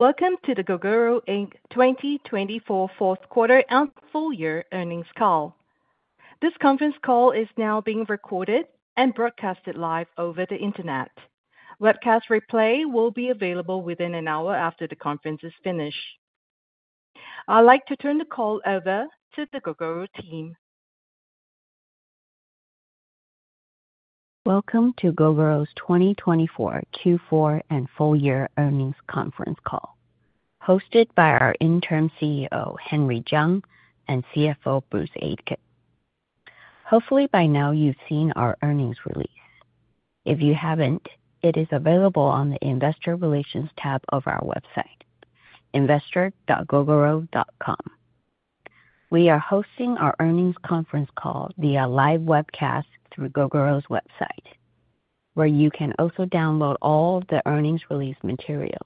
Welcome to the Gogoro 2024 Fourth Quarter and Full Year Earnings Call. This conference call is now being recorded and broadcast live over the Internet. Webcast replay will be available within an hour after the conference is finished. I'd like to turn the call over to the Gogoro team. Welcome to Gogoro's 2024 Q4 and Full Year Earnings Conference Call, hosted by our Interim CEO, Henry Chiang, and CFO, Bruce Aitken. Hopefully, by now you've seen our earnings release. If you haven't, it is available on the Investor Relations tab of our website, investor.gogoro.com. We are hosting our earnings conference call via live webcast through Gogoro's website, where you can also download all the earnings release materials.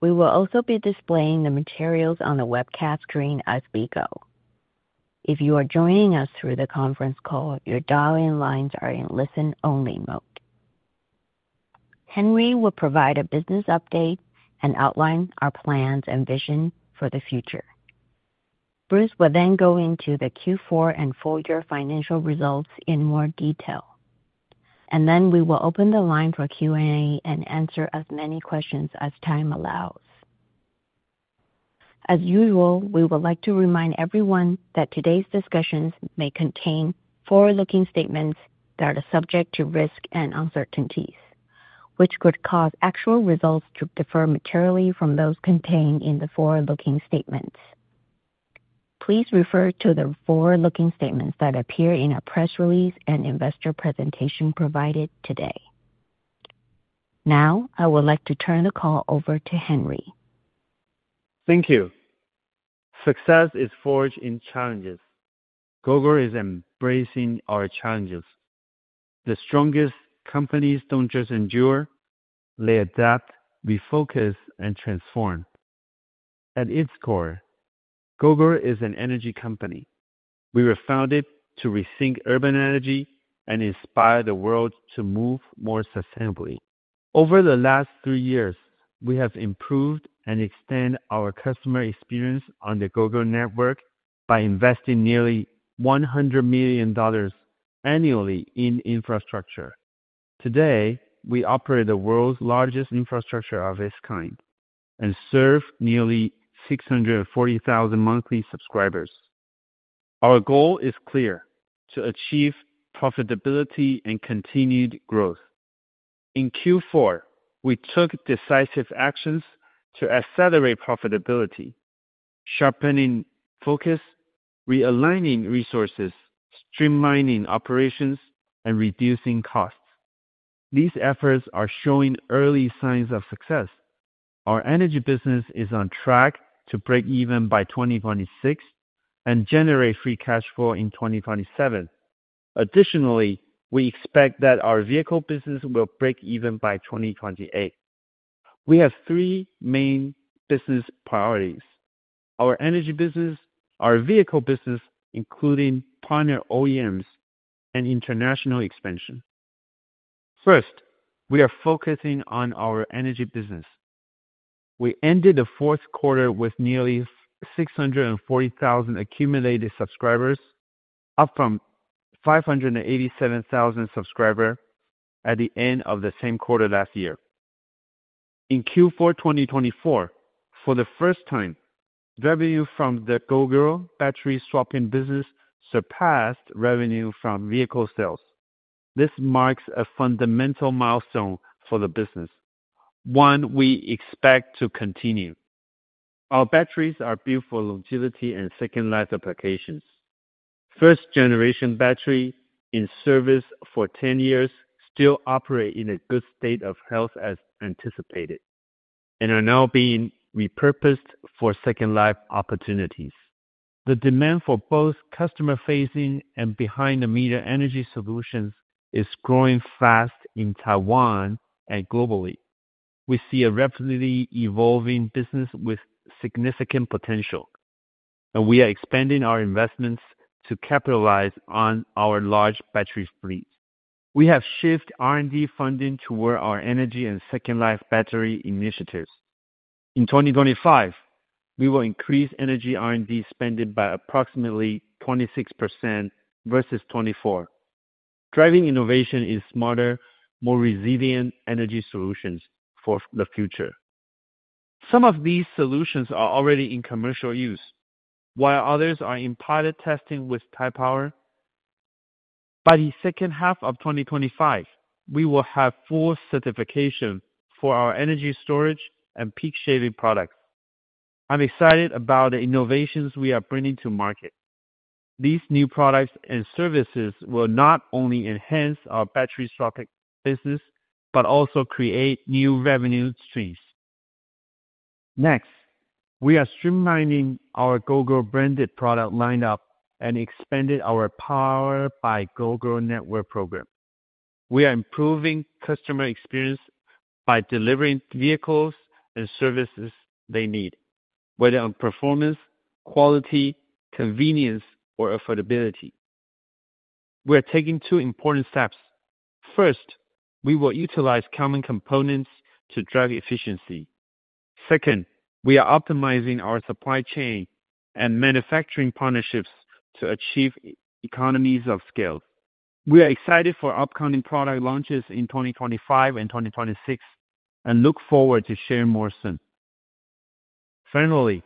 We will also be displaying the materials on the webcast screen as we go. If you are joining us through the conference call, your dial-in lines are in listen-only mode. Henry will provide a business update and outline our plans and vision for the future. Bruce will then go into the Q4 and Full Year financial results in more detail, and then we will open the line for Q&A and answer as many questions as time allows. As usual, we would like to remind everyone that today's discussions may contain forward-looking statements that are subject to risk and uncertainties, which could cause actual results to differ materially from those contained in the forward-looking statements. Please refer to the forward-looking statements that appear in our press release and investor presentation provided today. Now, I would like to turn the call over to Henry. Thank you. Success is forged in challenges. Gogoro is embracing our challenges. The strongest companies don't just endure; they adapt, refocus, and transform. At its core, Gogoro is an energy company. We were founded to rethink urban energy and inspire the world to move more sustainably. Over the last three years, we have improved and extended our customer experience on the Gogoro Network by investing nearly $100 million annually in infrastructure. Today, we operate the world's largest infrastructure of its kind and serve nearly 640,000 monthly subscribers. Our goal is clear: to achieve profitability and continued growth. In Q4, we took decisive actions to accelerate profitability, sharpening focus, realigning resources, streamlining operations, and reducing costs. These efforts are showing early signs of success. Our energy business is on track to break even by 2026 and generate free cash flow in 2027. Additionally, we expect that our vehicle business will break even by 2028. We have three main business priorities: our energy business, our vehicle business, including partner OEMs, and international expansion. First, we are focusing on our energy business. We ended the fourth quarter with nearly 640,000 accumulated subscribers, up from 587,000 subscribers at the end of the same quarter last year. In Q4 2024, for the first time, revenue from the Gogoro battery swapping business surpassed revenue from vehicle sales. This marks a fundamental milestone for the business, one we expect to continue. Our batteries are built for longevity and second-life applications. First-generation batteries in service for 10 years still operate in a good state of health, as anticipated, and are now being repurposed for second-life opportunities. The demand for both customer-facing and behind-the-meter energy solutions is growing fast in Taiwan and globally. We see a rapidly evolving business with significant potential, and we are expanding our investments to capitalize on our large battery fleets. We have shifted R&D funding toward our energy and second-life battery initiatives. In 2025, we will increase energy R&D spending by approximately 26% versus 24, driving innovation in smarter, more resilient energy solutions for the future. Some of these solutions are already in commercial use, while others are in pilot testing with Taipower. By the second half of 2025, we will have full certification for our energy storage and peak shaving products. I'm excited about the innovations we are bringing to market. These new products and services will not only enhance our battery swapping business but also create new revenue streams. Next, we are streamlining our Gogoro branded product lineup and expanding our Powered by Gogoro Network program. We are improving customer experience by delivering vehicles and services they need, whether on performance, quality, convenience, or affordability. We are taking two important steps. First, we will utilize common components to drive efficiency. Second, we are optimizing our supply chain and manufacturing partnerships to achieve economies of scale. We are excited for upcoming product launches in 2025 and 2026 and look forward to sharing more soon. Finally,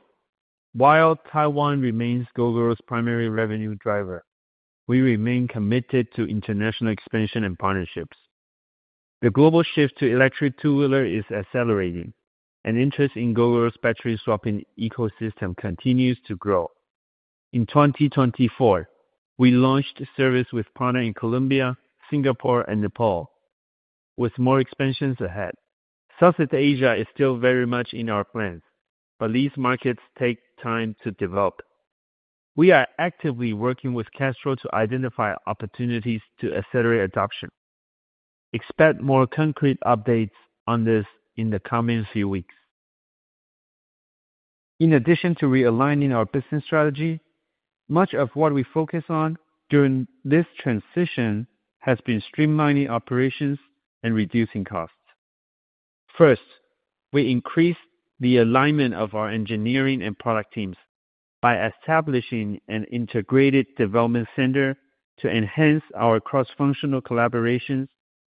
while Taiwan remains Gogoro's primary revenue driver, we remain committed to international expansion and partnerships. The global shift to electric two-wheelers is accelerating, and interest in Gogoro's battery swapping ecosystem continues to grow. In 2024, we launched a service with partners in Colombia, Singapore, and Nepal, with more expansions ahead. South Asia is still very much in our plans, but these markets take time to develop. We are actively working with Castro to identify opportunities to accelerate adoption. Expect more concrete updates on this in the coming few weeks. In addition to realigning our business strategy, much of what we focus on during this transition has been streamlining operations and reducing costs. First, we increased the alignment of our engineering and product teams by establishing an integrated development center to enhance our cross-functional collaborations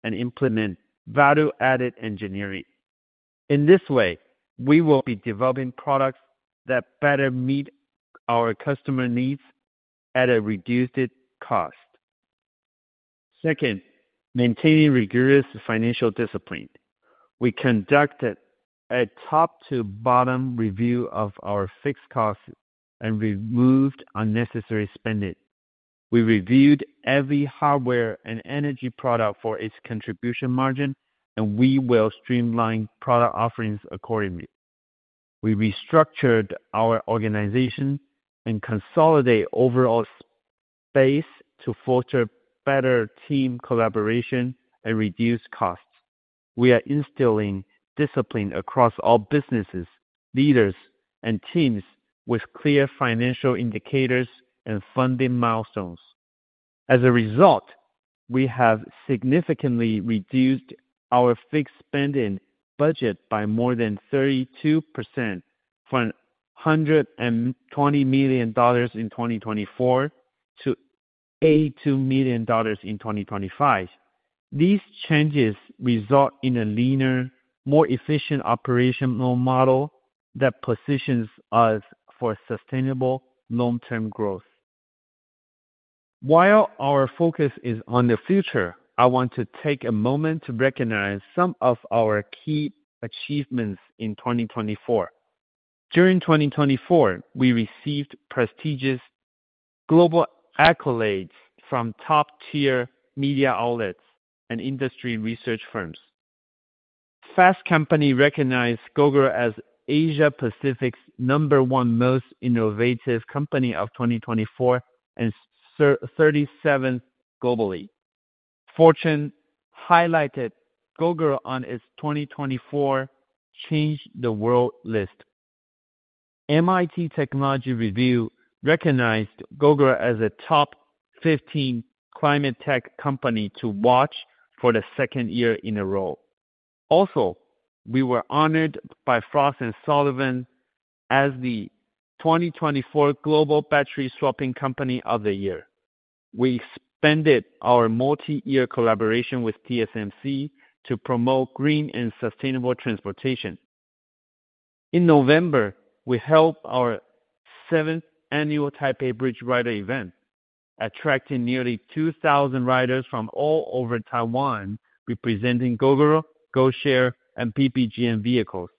and implement value-added engineering. In this way, we will be developing products that better meet our customer needs at a reduced cost. Second, maintaining rigorous financial discipline. We conducted a top-to-bottom review of our fixed costs and removed unnecessary spending. We reviewed every hardware and energy product for its contribution margin, and we will streamline product offerings accordingly. We restructured our organization and consolidated overall space to foster better team collaboration and reduce costs. We are instilling discipline across all businesses, leaders, and teams with clear financial indicators and funding milestones. As a result, we have significantly reduced our fixed spending budget by more than 32% from $120 million in 2024 to $82 million in 2025. These changes result in a leaner, more efficient operational model that positions us for sustainable long-term growth. While our focus is on the future, I want to take a moment to recognize some of our key achievements in 2024. During 2024, we received prestigious global accolades from top-tier media outlets and industry research firms. Fast Company recognized Gogoro as Asia-Pacific's number one most innovative company of 2024 and 37th globally. Fortune highlighted Gogoro on its 2024 Change the World list. MIT Technology Review recognized Gogoro as a top 15 climate tech company to watch for the second year in a row. Also, we were honored by Frost & Sullivan as the 2024 Global Battery Swapping Company of the Year. We expanded our multi-year collaboration with TSMC to promote green and sustainable transportation. In November, we held our seventh annual Taipei Bridge Rider event, attracting nearly 2,000 riders from all over Taiwan, representing Gogoro, GoShare, and PPGM vehicles.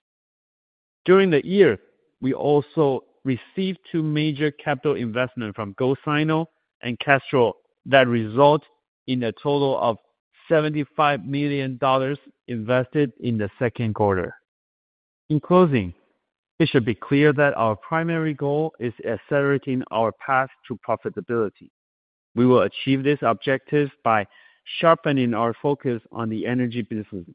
During the year, we also received two major capital investments from GoSino and Castro that resulted in a total of $75 million invested in the second quarter. In closing, it should be clear that our primary goal is accelerating our path to profitability. We will achieve this objective by sharpening our focus on the energy business,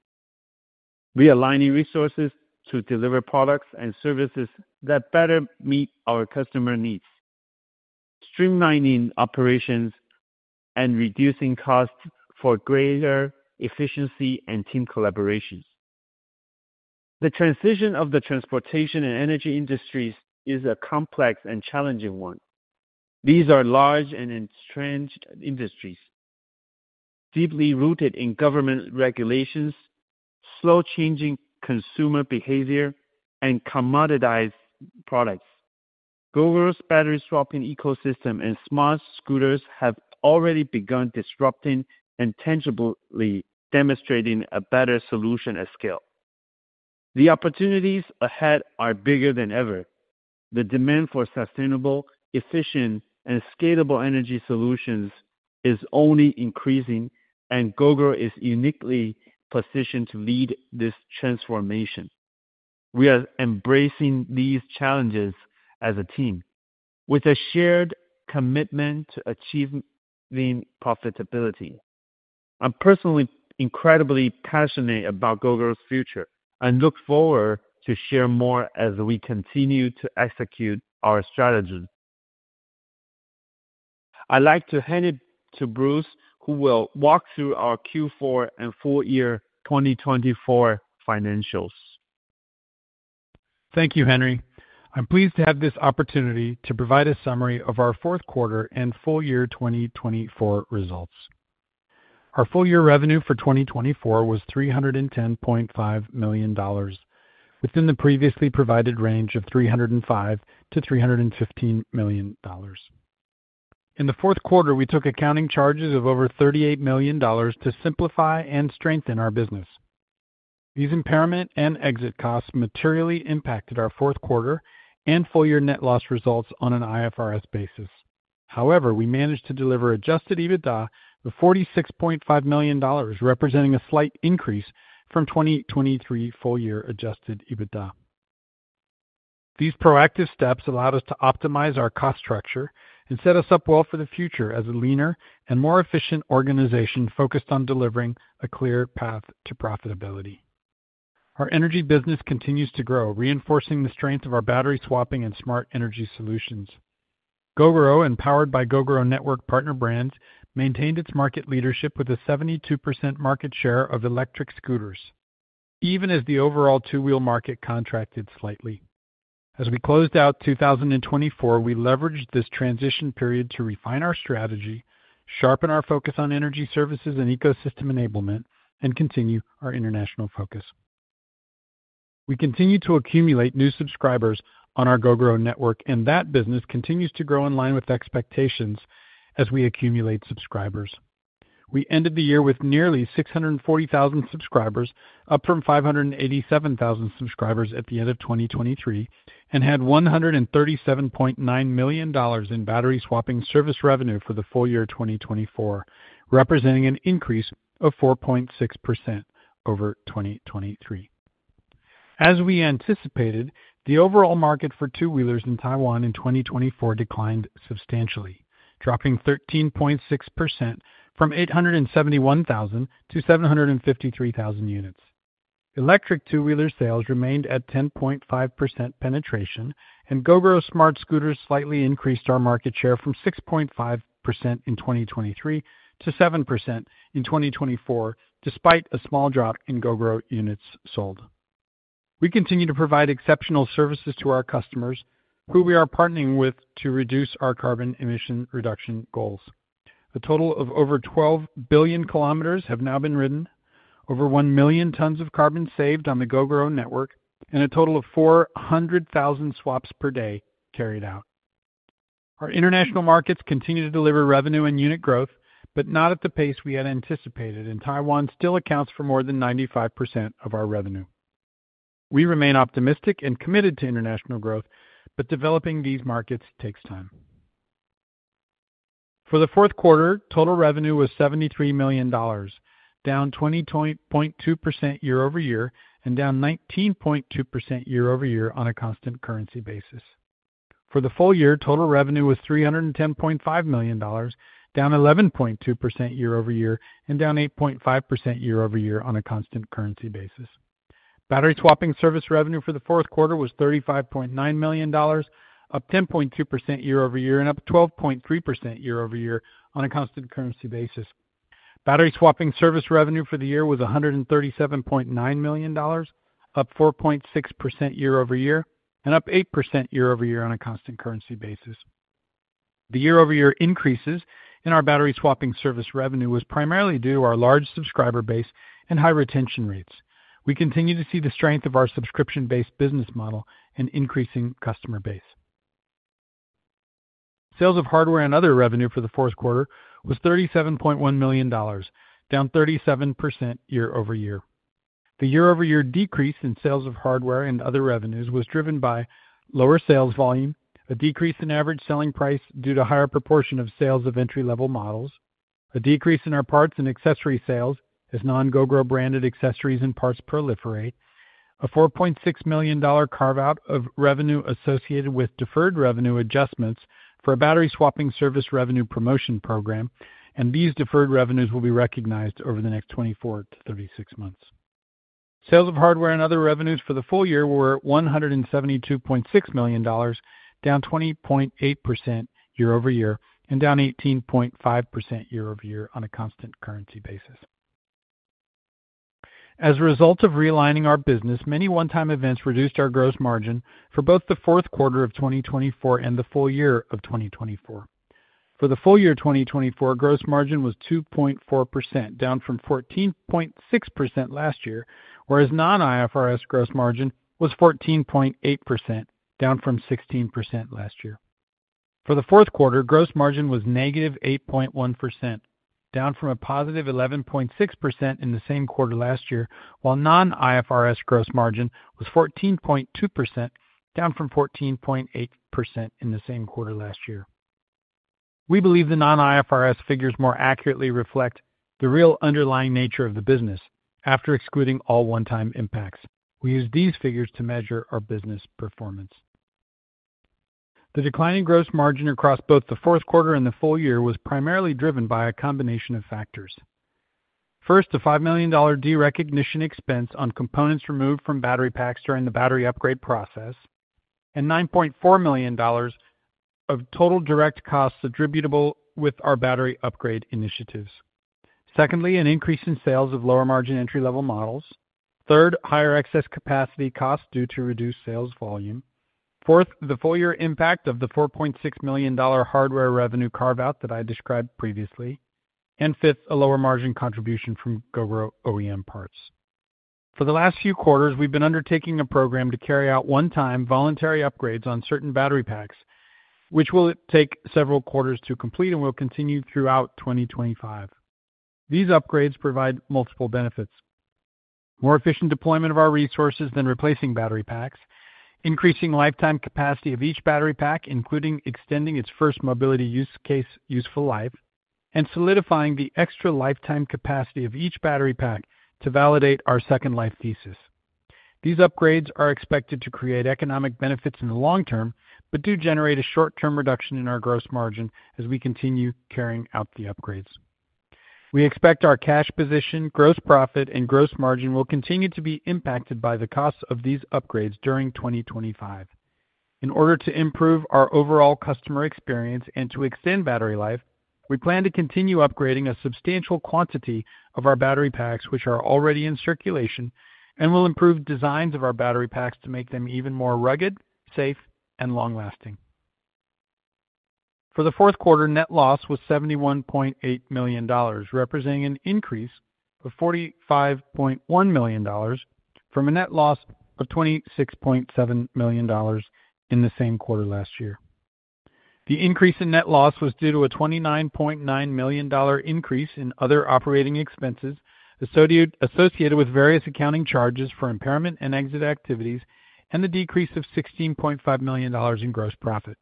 realigning resources to deliver products and services that better meet our customer needs, streamlining operations, and reducing costs for greater efficiency and team collaborations. The transition of the transportation and energy industries is a complex and challenging one. These are large and entrenched industries, deeply rooted in government regulations, slow-changing consumer behavior, and commoditized products. Gogoro's battery swapping ecosystem and smart scooters have already begun disrupting and tangibly demonstrating a better solution at scale. The opportunities ahead are bigger than ever. The demand for sustainable, efficient, and scalable energy solutions is only increasing, and Gogoro is uniquely positioned to lead this transformation. We are embracing these challenges as a team, with a shared commitment to achieving profitability. I'm personally incredibly passionate about Gogoro's future and look forward to sharing more as we continue to execute our strategy. I'd like to hand it to Bruce, who will walk through our Q4 and full year 2024 financials. Thank you, Henry. I'm pleased to have this opportunity to provide a summary of our fourth quarter and full year 2024 results. Our full year revenue for 2024 was $310.5 million, within the previously provided range of $305-$315 million. In the fourth quarter, we took accounting charges of over $38 million to simplify and strengthen our business. These impairment and exit costs materially impacted our fourth quarter and full year net loss results on an IFRS basis. However, we managed to deliver adjusted EBITDA of $46.5 million, representing a slight increase from 2023 full year adjusted EBITDA. These proactive steps allowed us to optimize our cost structure and set us up well for the future as a leaner and more efficient organization focused on delivering a clear path to profitability. Our energy business continues to grow, reinforcing the strength of our battery swapping and smart energy solutions. Gogoro and Powered by Gogoro Network partner brands maintained its market leadership with a 72% market share of electric scooters, even as the overall two-wheel market contracted slightly. As we closed out 2024, we leveraged this transition period to refine our strategy, sharpen our focus on energy services and ecosystem enablement, and continue our international focus. We continue to accumulate new subscribers on our Gogoro Network, and that business continues to grow in line with expectations as we accumulate subscribers. We ended the year with nearly 640,000 subscribers, up from 587,000 subscribers at the end of 2023, and had $137.9 million in battery swapping service revenue for the full year 2024, representing an increase of 4.6% over 2023. As we anticipated, the overall market for two-wheelers in Taiwan in 2024 declined substantially, dropping 13.6% from 871,000 to 753,000 units. Electric two-wheeler sales remained at 10.5% penetration, and Gogoro smart scooters slightly increased our market share from 6.5% in 2023 to 7% in 2024, despite a small drop in Gogoro units sold. We continue to provide exceptional services to our customers, who we are partnering with to reduce our carbon emission reduction goals. A total of over 12 billion kilometers have now been ridden, over 1 million tons of carbon saved on the Gogoro Network, and a total of 400,000 swaps per day carried out. Our international markets continue to deliver revenue and unit growth, but not at the pace we had anticipated, and Taiwan still accounts for more than 95% of our revenue. We remain optimistic and committed to international growth, but developing these markets takes time. For the fourth quarter, total revenue was $73 million, down 20.2% year-over-year and down 19.2% year-over-year on a constant currency basis. For the full year, total revenue was $310.5 million, down 11.2% year-over-year and down 8.5% year-over-year on a constant currency basis. Battery swapping service revenue for the fourth quarter was $35.9 million, up 10.2% year-over-year and up 12.3% year-over-year on a constant currency basis. Battery swapping service revenue for the year was $137.9 million, up 4.6% year-over-year and up 8% year-over-year on a constant currency basis. The year-over-year increases in our battery swapping service revenue were primarily due to our large subscriber base and high retention rates. We continue to see the strength of our subscription-based business model and increasing customer base. Sales of hardware and other revenue for the fourth quarter was $37.1 million, down 37% year-over- year. The year-over-year decrease in sales of hardware and other revenues was driven by lower sales volume, a decrease in average selling price due to a higher proportion of sales of entry-level models, a decrease in our parts and accessory sales as non-Gogoro branded accessories and parts proliferate, a $4.6 million carve-out of revenue associated with deferred revenue adjustments for a battery swapping service revenue promotion program, and these deferred revenues will be recognized over the next 24 to 36 months. Sales of hardware and other revenues for the full year were $172.6 million, down 20.8% year over year and down 18.5% year over year on a constant currency basis. As a result of realigning our business, many one-time events reduced our gross margin for both the fourth quarter of 2024 and the full year of 2024. For the full year 2024, gross margin was 2.4%, down from 14.6% last year, whereas non-IFRS gross margin was 14.8%, down from 16% last year. For the fourth quarter, gross margin was negative 8.1%, down from a positive 11.6% in the same quarter last year, while non-IFRS gross margin was 14.2%, down from 14.8% in the same quarter last year. We believe the non-IFRS figures more accurately reflect the real underlying nature of the business, after excluding all one-time impacts. We use these figures to measure our business performance. The declining gross margin across both the fourth quarter and the full year was primarily driven by a combination of factors. First, a $5 million derecognition expense on components removed from battery packs during the battery upgrade process, and $9.4 million of total direct costs attributable with our battery upgrade initiatives. Secondly, an increase in sales of lower margin entry-level models. Third, higher excess capacity costs due to reduced sales volume. Fourth, the full year impact of the $4.6 million hardware revenue carve-out that I described previously. Fifth, a lower margin contribution from Gogoro OEM parts. For the last few quarters, we've been undertaking a program to carry out one-time voluntary upgrades on certain battery packs, which will take several quarters to complete and will continue throughout 2025. These upgrades provide multiple benefits: more efficient deployment of our resources than replacing battery packs, increasing lifetime capacity of each battery pack, including extending its first mobility use case useful life, and solidifying the extra lifetime capacity of each battery pack to validate our second life thesis. These upgrades are expected to create economic benefits in the long term, but do generate a short-term reduction in our gross margin as we continue carrying out the upgrades. We expect our cash position, gross profit, and gross margin will continue to be impacted by the costs of these upgrades during 2025. In order to improve our overall customer experience and to extend battery life, we plan to continue upgrading a substantial quantity of our battery packs, which are already in circulation, and will improve designs of our battery packs to make them even more rugged, safe, and long-lasting. For the fourth quarter, net loss was $71.8 million, representing an increase of $45.1 million from a net loss of $26.7 million in the same quarter last year. The increase in net loss was due to a $29.9 million increase in other operating expenses associated with various accounting charges for impairment and exit activities, and the decrease of $16.5 millio`n in gross profit.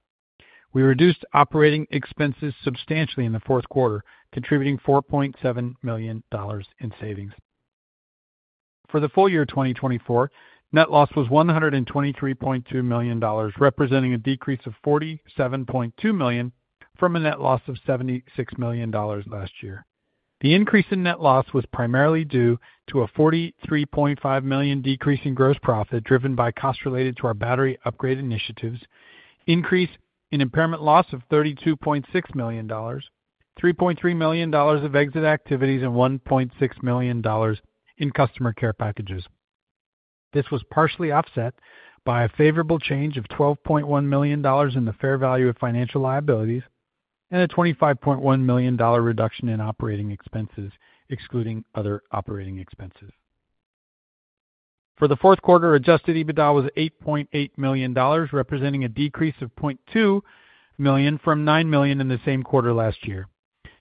We reduced operating expenses substantially in the fourth quarter, contributing $4.7 million in savings. For the full year 2024, net loss was $123.2 million, representing a decrease of $47.2 million from a net loss of $76 million last year. The increase in net loss was primarily due to a $43.5 million decrease in gross profit driven by costs related to our battery upgrade initiatives, an increase in impairment loss of $32.6 million, $3.3 million of exit activities, and $1.6 million in customer care packages. This was partially offset by a favorable change of $12.1 million in the fair value of financial liabilities and a $25.1 million reduction in operating expenses, excluding other operating expenses. For the fourth quarter, adjusted EBITDA was $8.8 million, representing a decrease of $0.2 million from $9 million in the same quarter last year.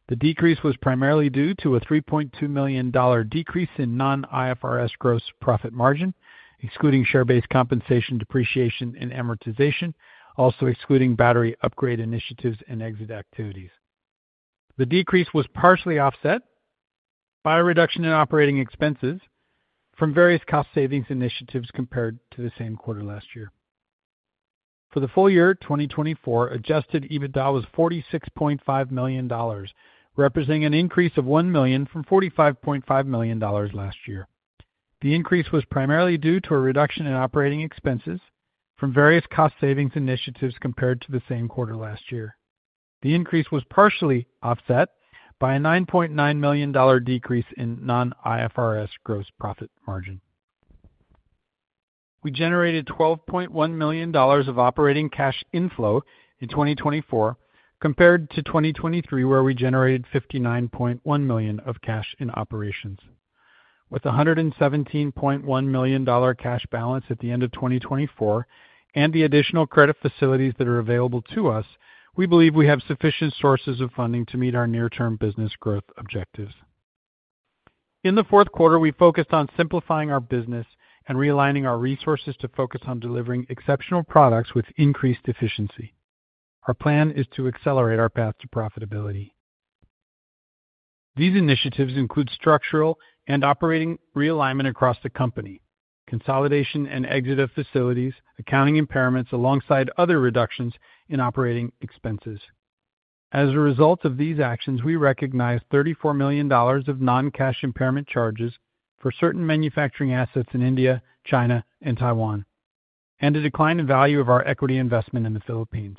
The decrease was primarily due to a $3.2 million decrease in non-IFRS gross profit margin, excluding share-based compensation, depreciation, and amortization, also excluding battery upgrade initiatives and exit activities. The decrease was partially offset by a reduction in operating expenses from various cost savings initiatives compared to the same quarter last year. For the full year 2024, adjusted EBITDA was $46.5 million, representing an increase of $1 million from $45.5 million last year. The increase was primarily due to a reduction in operating expenses from various cost savings initiatives compared to the same quarter last year. The increase was partially offset by a $9.9 million decrease in non-IFRS gross profit margin. We generated $12.1 million of operating cash inflow in 2024 compared to 2023, where we generated $59.1 million of cash in operations. With a $117.1 million cash balance at the end of 2024 and the additional credit facilities that are available to us, we believe we have sufficient sources of funding to meet our near-term business growth objectives. In the fourth quarter, we focused on simplifying our business and realigning our resources to focus on delivering exceptional products with increased efficiency. Our plan is to accelerate our path to profitability. These initiatives include structural and operating realignment across the company, consolidation and exit of facilities, accounting impairments alongside other reductions in operating expenses. As a result of these actions, we recognize $34 million of non-cash impairment charges for certain manufacturing assets in India, China, and Taiwan, and a decline in value of our equity investment in the Philippines.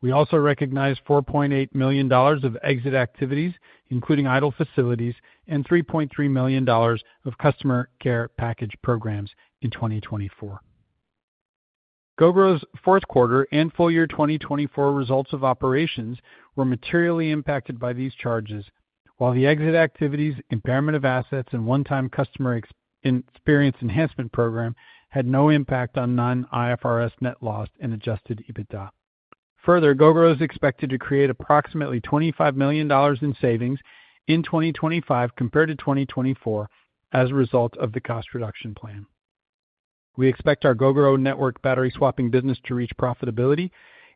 We also recognize $4.8 million of exit activities, including idle facilities, and $3.3 million of customer care package programs in 2024. Gogoro's fourth quarter and full year 2024 results of operations were materially impacted by these charges, while the exit activities, impairment of assets, and one-time customer experience enhancement program had no impact on non-IFRS net loss and adjusted EBITDA. Further, Gogoro is expected to create approximately $25 million in savings in 2025 compared to 2024 as a result of the cost reduction plan. We expect our Gogoro Network battery swapping business to reach profitability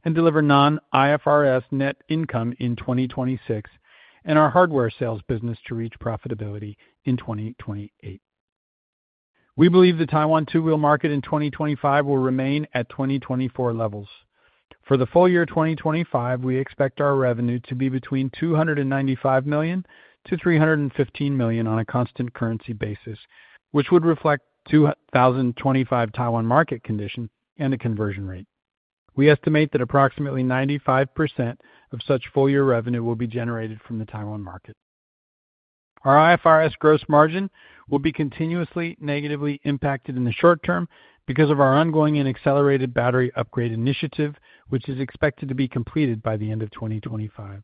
and deliver non-IFRS net income in 2026, and our hardware sales business to reach profitability in 2028. We believe the Taiwan two-wheel market in 2025 will remain at 2024 levels. For the full year 2025, we expect our revenue to be between $295 million-$315 million on a constant currency basis, which would reflect 2025 Taiwan market condition and a conversion rate. We estimate that approximately 95% of such full year revenue will be generated from the Taiwan market. Our IFRS gross margin will be continuously negatively impacted in the short term because of our ongoing and accelerated battery upgrade initiative, which is expected to be completed by the end of 2025.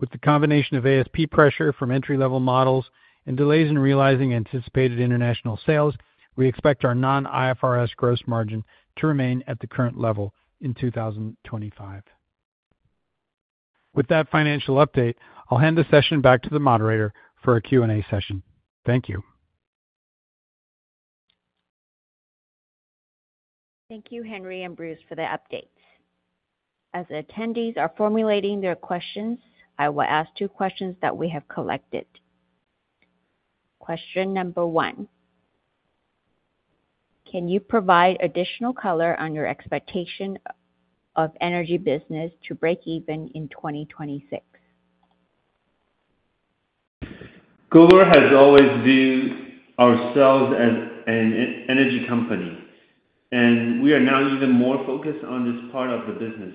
With the combination of ASP pressure from entry-level models and delays in realizing anticipated international sales, we expect our non-IFRS gross margin to remain at the current level in 2025. With that financial update, I'll hand the session back to the moderator for a Q&A session. Thank you. Thank you, Henry and Bruce, for the updates. As attendees are formulating their questions, I will ask two questions that we have collected. Question number one, can you provide additional color on your expectation of energy business to break even in 2026? Gogoro has always viewed ourselves as an energy company, and we are now even more focused on this part of the business.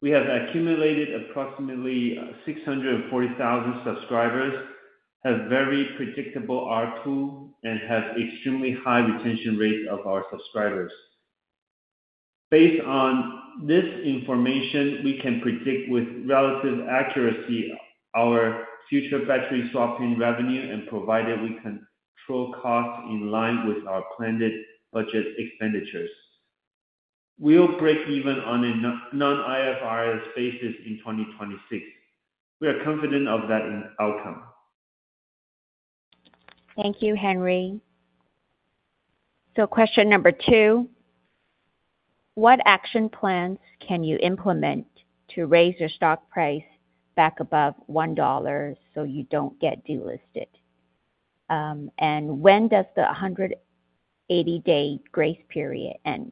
We have accumulated approximately 640,000 subscribers, have very predictable R2, and have extremely high retention rates of our subscribers. Based on this information, we can predict with relative accuracy our future battery swapping revenue, and provided we control costs in line with our planned budget expenditures. We'll break even on a non-IFRS basis in 2026. We are confident of that outcome. Thank you, Henry. Que`stion number two, what action plans can you implement to raise your stock price back above $1 so you do not get delisted? When does the 180-day grace period end?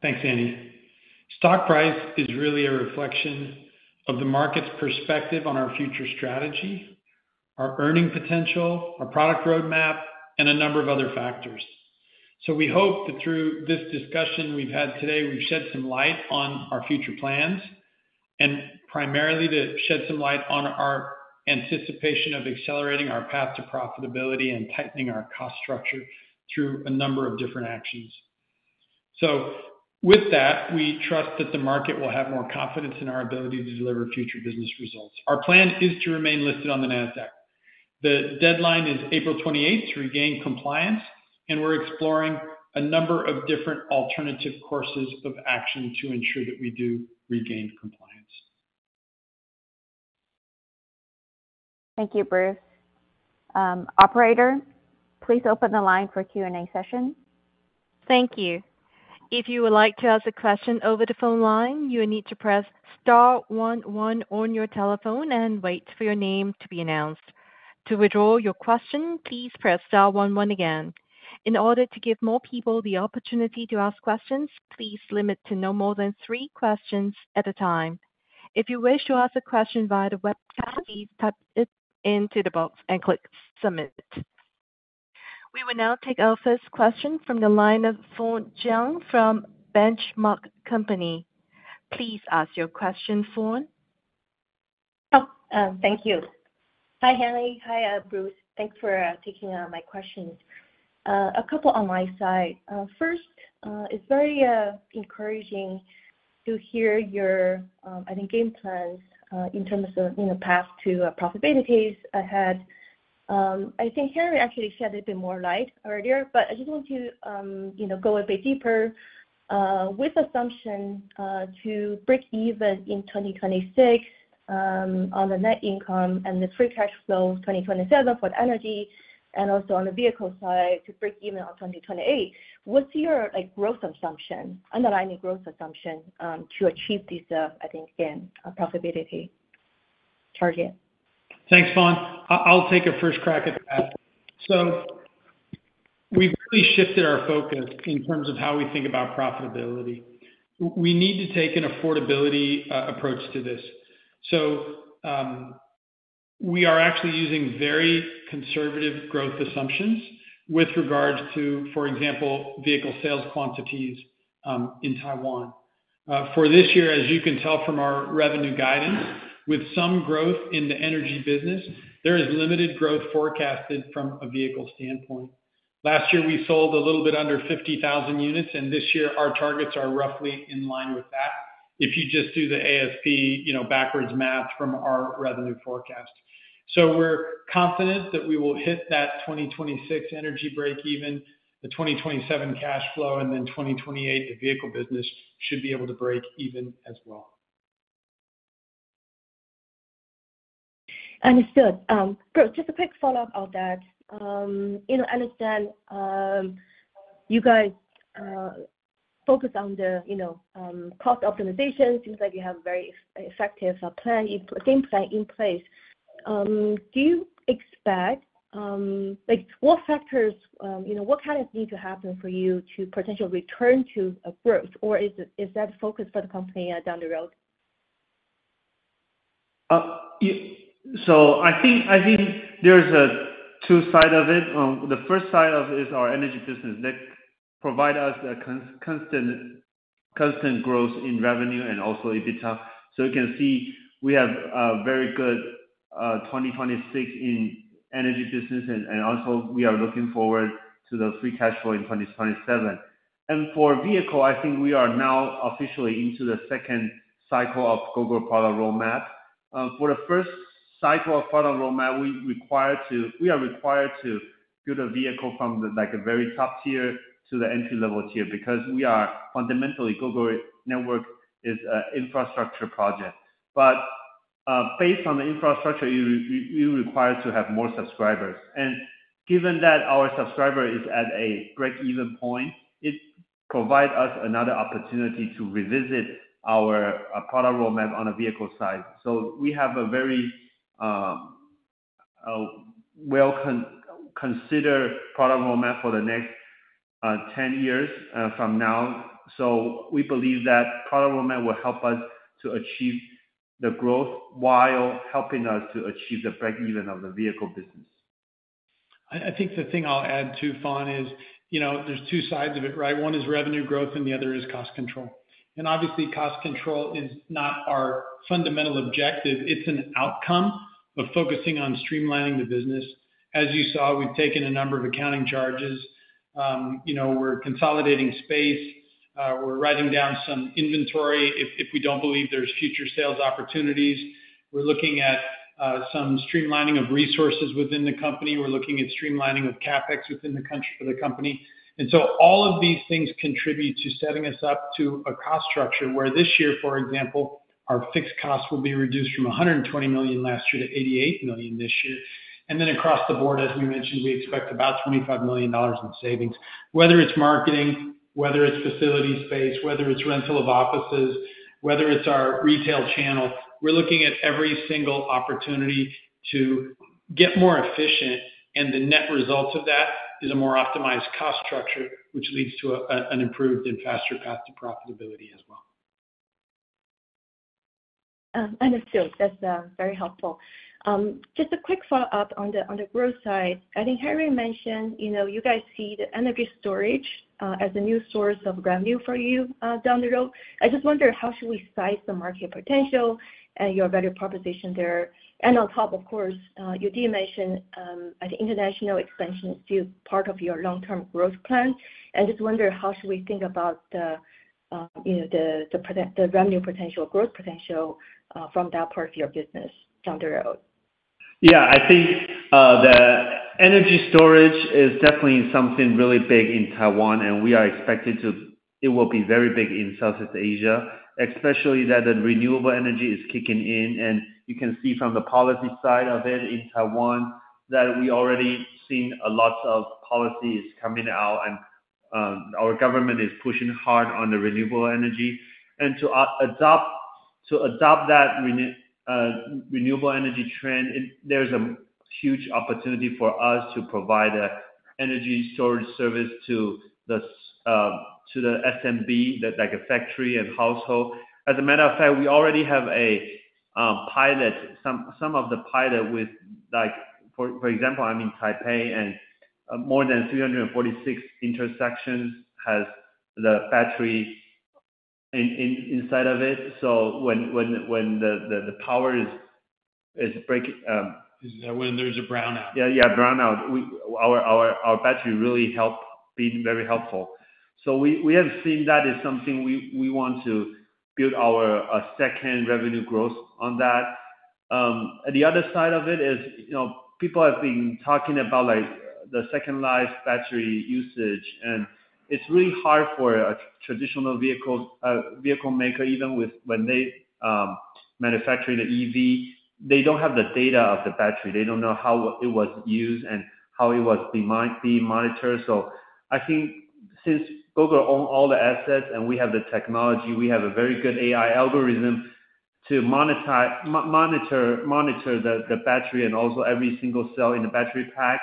Thanks, Anny. Stock price is really a reflection of the market's perspective on our future strategy, our earning potential, our product roadmap, and a number of other factors. We hope that through this discussion we have had today, we have shed some light on our future plans and primarily to shed some light on our anticipation of accelerating our path to profitability and tightening our cost structure through a number of different actions. With that, we trust that the market will have more confidence in our ability to deliver future business results. Our plan is to remain listed on the NASDAQ. The deadline is April 28th to regain compliance, and we're exploring a number of different alternative courses of action to ensure that we do regain compliance. Thank you, Bruce. Operator, please open the line for Q&A session. Thank you. If you would like to ask a question over the phone line, you will need to press star 11 on your telephone and wait for your name to be announced. To withdraw your question, please press star 11 again. In order to give more people the opportunity to ask questions, please limit to no more than three questions at a time. If you wish to ask a question via the webcast, please type it into the box and click submit. We will now take our first question from the line of Pon Chang from Benchmark Company. Please ask your question, Pon. Oh, thank you. Hi, Henry. Hi, Bruce. Thanks for taking my questions. A couple on my side. First, it's very encouraging to hear your, I think, game plans in terms of path to profitabilities ahead. I think Henry actually shed a bit more light earlier, but I just want to go a bit deeper with assumption to break even in 2026 on the net income and the free cash flow of 2027 for the energy and also on the vehicle side to break even on 2028. What's your growth assumption, underlining growth assumption to achieve this, I think, profitability target? Thanks, Phone. I'll take a first crack at that. We have really shifted our focus in terms of how we think about profitability. We need to take an affordability approach to this. We are actually using very conservative growth assumptions with regards to, for example, vehicle sales quantities in Taiwan. For this year, as you can tell from our revenue guidance, with some growth in the energy business, there is limited growth forecasted from a vehicle standpoint. Last year, we sold a little bit under 50,000 units, and this year, our targets are roughly in line with that if you just do the ASP backwards math from our revenue forecast. We are confident that we will hit that 2026 energy break even, the 2027 cash flow, and then 2028, the vehicle business should be able to break even as well. Understood. Bruce, just a quick follow-up on that. I understand you guys focus on the cost optimization. Seems like you have a very effective game plan in place. Do you expect what factors, what kind of need to happen for you to potentially return to growth, or is that focus for the company down the road? I think there's a two-sided effect. The first side is our energy business that provides us constant growth in revenue and also EBITDA. You can see we have a very good 2026 in energy business, and also we are looking forward to the free cash flow in 2027. For vehicle, I think we are now officially into the second cycle of Gogoro product roadmap. For the first cycle of product roadmap, we are required to build a vehicle from the very top tier to the entry-level tier because fundamentally Gogoro Network is an infrastructure project. Based on the infrastructure, you're required to have more subscribers. Given that our subscriber is at a break-even point, it provides us another opportunity to revisit our product roadmap on the vehicle side. We have a very well-considered product roadmap for the next 10 years from now. We believe that product roadmap will help us to achieve the growth while helping us to achieve the break-even of the vehicle business. I think the thing I'll add too, Pon, is there's two sides of it, right? One is revenue growth, and the other is cost control. Obviously, cost control is not our fundamental objective. It's an outcome of focusing on streamlining the business. As you saw, we've taken a number of accounting charges. We're consolidating space. We're writing down some inventory if we don't believe there's future sales opportunities. We're looking at some streamlining of resources within the company. We're looking at streamlining of CapEx within the country for the company. All of these things contribute to setting us up to a cost structure where this year, for example, our fixed costs will be reduced from $120 million last year to $88 million this year. Across the board, as we mentioned, we expect about $25 million in savings, whether it's marketing, whether it's facility space, whether it's rental of offices, whether it's our retail channel. We're looking at every single opportunity to get more efficient, and the net result of that is a more optimized cost structure, which leads to an improved and faster path to profitability as well. Understood. That's very helpful. Just a quick follow-up on the growth side. I think Henry mentioned you guys see the energy storage as a new source of revenue for you down the road. I just wonder how should we size the market potential and your value proposition there. Of course, you did mention the international expansion is still part of your long-term growth plan. I just wonder how should we think about the revenue potential, growth potential from that part of your business down the road? Yeah. I think the energy storage is definitely something really big in Taiwan, and we are expected to it will be very big in Southeast Asia, especially that the renewable energy is kicking in. You can see from the policy side of it in Taiwan that we've already seen lots of policies coming out, and our government is pushing hard on the renewable energy. To adopt that renewable energy trend, there's a huge opportunity for us to provide an energy storage service to the SMB, like a factory and household. As a matter of fact, we already have a pilot, some of the pilot with, for example, I'm in Taipei, and more than 346 intersections have the battery inside of it. When the power is— Is that when there's a brownout? Yeah, yeah, brownout. Our battery really helped, being very helpful. We have seen that as something we want to build our second revenue growth on. The other side of it is people have been talking about the second life battery usage, and it's really hard for a traditional vehicle maker, even when they manufacture the EV, they don't have the data of the battery. They don't know how it was used and how it was being monitored. I think since Gogoro own all the assets and we have the technology, we have a very good AI algorithm to monitor the battery and also every single cell in the battery pack,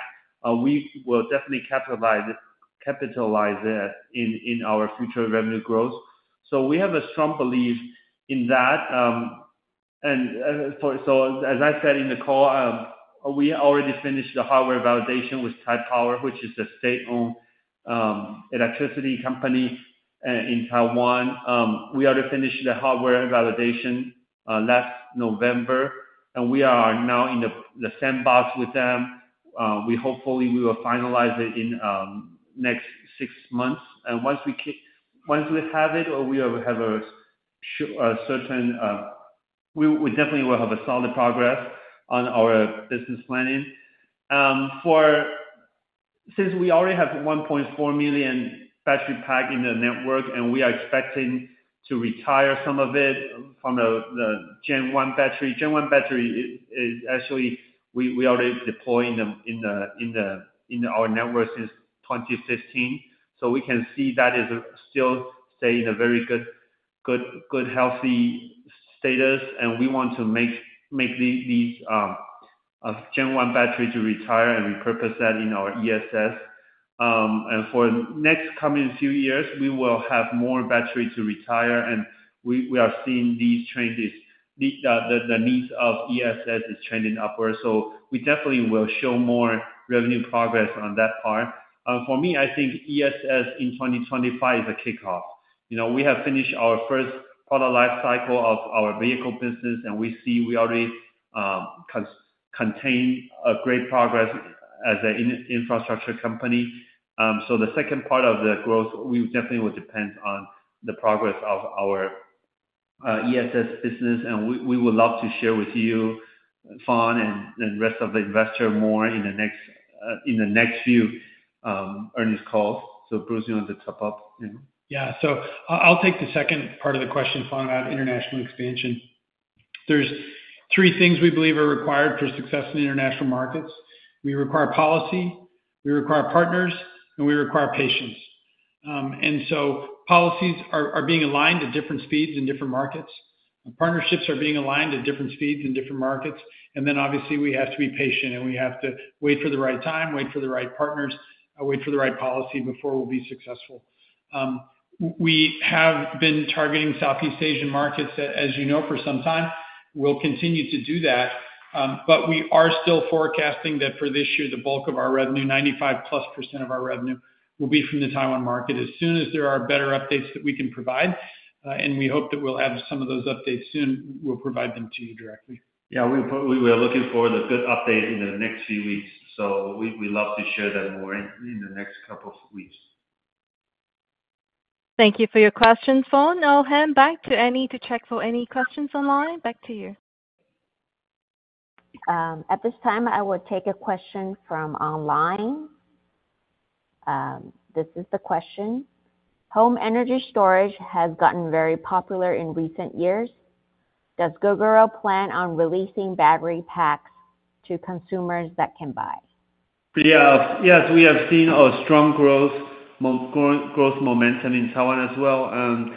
we will definitely capitalize it in our future revenue growth. We have a strong belief in that. As I said in the call, we already finished the hardware validation with Taipower, which is a state-owned electricity company in Taiwan. We already finished the hardware validation last November, and we are now in the sandbox with them. Hopefully, we will finalize it in the next six months. Once we have it, we will have a certain—we definitely will have solid progress on our business planning. Since we already have 1.4 million battery pack in the network, and we are expecting to retire some of it from the Gen 1 battery. Gen 1 battery, actually, we already deployed in our network since 2015. We can see that it is still staying in a very good, healthy status. We want to make these Gen 1 batteries retire and repurpose that in our ESS. For the next coming few years, we will have more batteries to retire. We are seeing these trends. The needs of ESS are trending upward. We definitely will show more revenue progress on that part. For me, I think ESS in 2025 is a kickoff. We have finished our first product life cycle of our vehicle business, and we see we already contain a great progress as an infrastructure company. The second part of the growth, we definitely will depend on the progress of our ESS business. We would love to share with you, Phone, and the rest of the investors more in the next few earnings calls. Bruce, you want to top up? Yeah. I'll take the second part of the question, Phone, about international expansion. There are three things we believe are required for success in international markets. We require policy, we require partners, and we require patience. Policies are being aligned at different speeds in different markets. Partnerships are being aligned at different speeds in different markets. Obviously, we have to be patient, and we have to wait for the right time, wait for the right partners, wait for the right policy before we'll be successful. We have been targeting Southeast Asian markets, as you know, for some time. We'll continue to do that. We are still forecasting that for this year, the bulk of our revenue, 95% plus of our revenue, will be from the Taiwan market. As soon as there are better updates that we can provide, and we hope that we'll have some of those updates soon, we'll provide them to you directly. Yeah. We're looking forward to good updates in the next few weeks. We'd love to share that more in the next couple of weeks. Thank you for your questions, Pon. I'll hand back to Anny to check for any questions online. Back to you. At this time, I will take a question from online. This is the question. Home energy storage has gotten very popular in recent years. Does Gogoro plan on releasing battery packs to consumers that can buy? Yes. We have seen a strong growth momentum in Taiwan as well.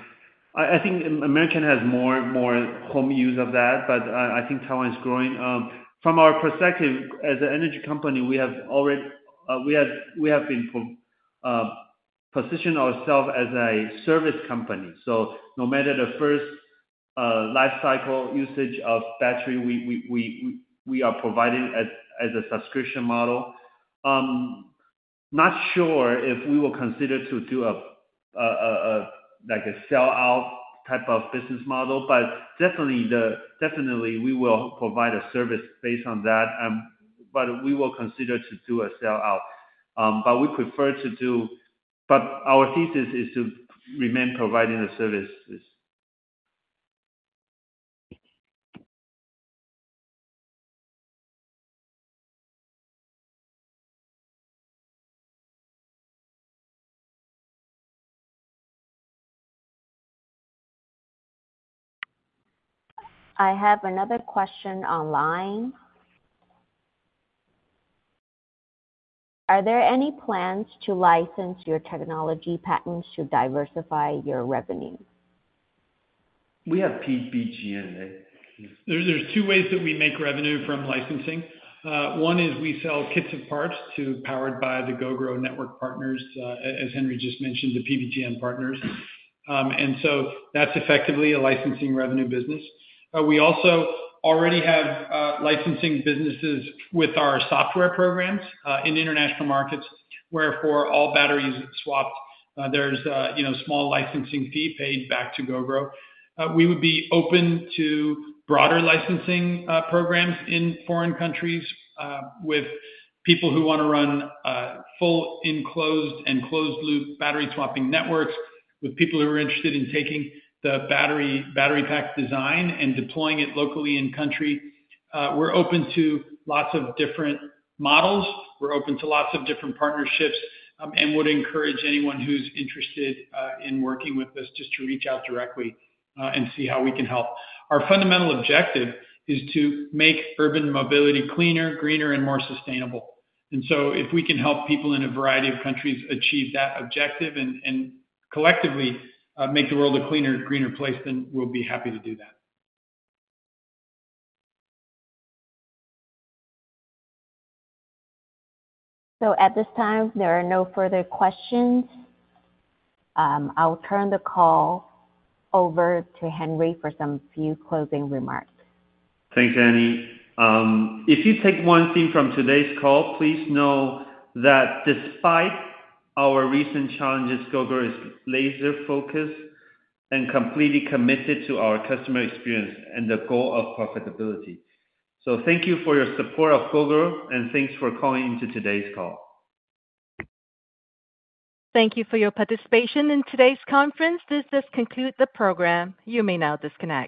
I think America has more and more home use of that, but I think Taiwan is growing. From our perspective, as an energy company, we have already positioned ourselves as a service company. No matter the first life cycle usage of battery, we are providing as a subscription model. Not sure if we will consider to do a sell-out type of business model, but definitely, we will provide a service based on that. We will consider to do a sell-out. We prefer to do—but our thesis is to remain providing the services. I have another question online. Are there any plans to license your technology patents to diversify your revenue? We have PBGN. There are two ways that we make revenue from licensing. One is we sell kits of parts to Powered by Gogoro Network partners, as Henry just mentioned, the PBGN partners. That's effectively a licensing revenue business. We also already have licensing businesses with our software programs in international markets where, for all batteries swapped, there's a small licensing fee paid back to Gogoro. We would be open to broader licensing programs in foreign countries with people who want to run full enclosed and closed-loop battery swapping networks with people who are interested in taking the battery pack design and deploying it locally in country. We're open to lots of different models. We're open to lots of different partnerships and would encourage anyone who's interested in working with us just to reach out directly and see how we can help. Our fundamental objective is to make urban mobility cleaner, greener, and more sustainable. If we can help people in a variety of countries achieve that objective and collectively make the world a cleaner, greener place, we will be happy to do that. At this time, there are no further questions. I will turn the call over to Henry for a few closing remarks. Thanks, Annie. If you take one thing from today's call, please know that despite our recent challenges, Gogoro is laser-focused and completely committed to our customer experience and the goal of profitability. Thank you for your support of Gogoro, and thanks for calling into today's call. Thank you for your participation in today's conference. This does conclude the program. You may now disconnect.